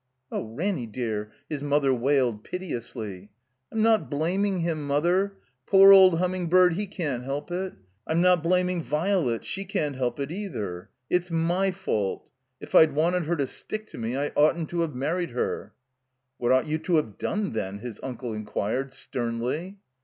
Oh! Ranny, dear," his mother wail 1, piteously. I'm not blaming him, Mother. P or old Hum ming bird, he can't help it. It's the way he's made. I'm not blaming Virelet. She can't help it, either. It's my fault. If I'd wanted her to stick to me I oughtn't to have married her." "What ought you to have done then?" his uncle inquired, sternly.